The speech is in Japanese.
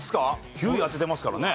９位当ててますからね。